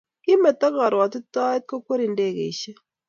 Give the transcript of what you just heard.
Kimetoo korwotitaet kokweri ndekeishek